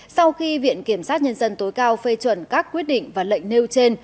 sau khi viện kiểm sát nhân dân tối cao phê chuẩn các quyết định và lệnh nêu trên